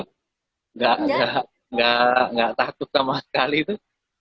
tidak takut sama sekali itu